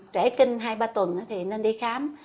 trễ kinh hai ba tuần thì nên đi khám